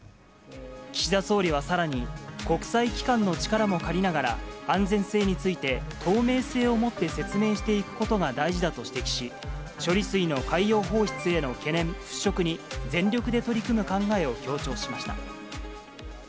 岸田総理はさらに、国際機関の力も借りながら、安全性について、透明性をもって説明していくことが大事だと指摘し、処理水の海洋放出への懸念払拭に全力で取り組む考えを強調しました。